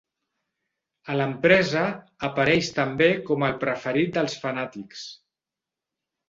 A l'empresa, apareix també com el preferit dels fanàtics.